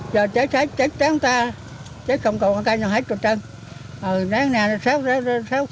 giờ chết chết chết chết